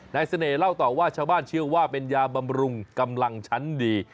เสน่ห์เล่าต่อว่าชาวบ้านเชื่อว่าเป็นยาบำรุงกำลังชั้นดี